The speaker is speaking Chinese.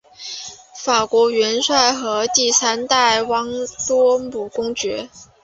法国元帅和第三代旺多姆公爵。